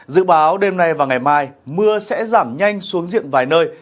dự báo đêm nay và ngày mai mưa sẽ giảm nhanh xuống diện vài nơi